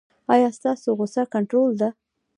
ایا ستاسو غوسه کنټرول ده؟